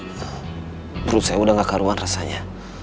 menurut saya udah gak keharuan rasanya